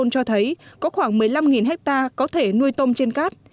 nơi thu bình cho thấy có khoảng một mươi năm ha có thể nuôi tôm trên cát